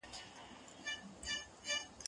کېدای سي کتابتون بند وي!.